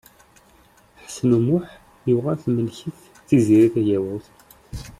Ḥsen U Muḥ yuɣal temmlek-it Tiziri Tagawawt.